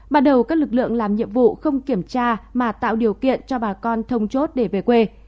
bắt đầu các lực lượng làm nhiệm vụ không kiểm tra mà tạo điều kiện cho bà con thông chốt để về quê